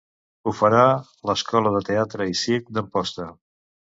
Ho farà l'Escola de Teatre i Circ d'Amposta.